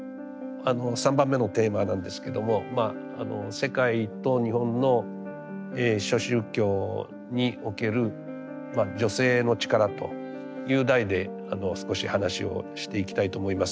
３番目のテーマなんですけども「世界と日本の諸宗教における女性の力」という題で少し話をしていきたいと思います。